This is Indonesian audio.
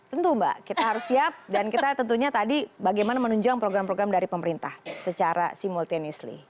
tentu mbak kita harus siap dan kita tentunya tadi bagaimana menunjang program program dari pemerintah secara simultinisly